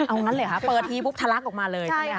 เอางั้นเลยเหรอคะเปิดทีปุ๊บทะลักออกมาเลยใช่ไหมค